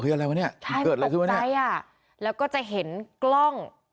คืออะไรวะเนี้ยเกิดอะไรขึ้นวะเนี้ยใช่มันตกใจอ่ะแล้วก็จะเห็นกล้อง